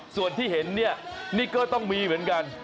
ส่วนที่เห็นเนี่ยนี่ก็ต้องมีเหมือนกัน